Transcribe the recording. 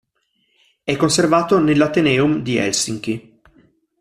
È conservato nell'Ateneum di Helsinki.